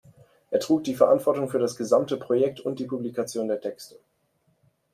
Er trug die Verantwortung für das gesamte Projekt und die Publikation der Texte.